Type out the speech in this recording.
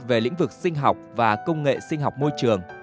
về lĩnh vực sinh học và công nghệ sinh học môi trường